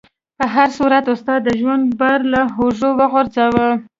په هر صورت استاد د ژوند بار له اوږو وغورځاوه.